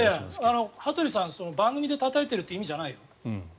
羽鳥さん、番組でたたいているという意味じゃないよ。